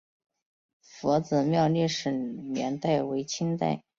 佛子庙的历史年代为清代。